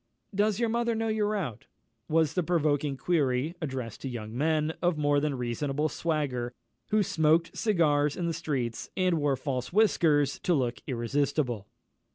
"Does your mother know you're out?" was the provoking query addressed to young men of more than reasonable swagger, who smoked cigars in the streets, and wore false whiskers to look irresistible.